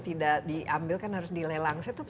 tidak diambil kan harus dilelang saya tuh